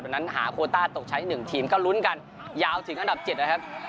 นั้นหาโคต้าตกชั้น๑ทีมก็ลุ้นกันยาวถึงอันดับ๗นะครับ